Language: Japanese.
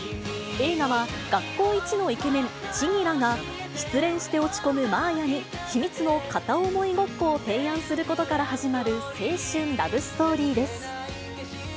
映画は、学校一のイケメン、千輝が、失恋して落ち込む真綾に、秘密の片思いごっこを提案することから始まる、青春ラブストーリーです。